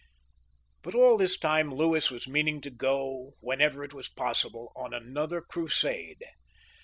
But aU this time Louis was meaning to go, whenever it was possible, on another Crusade.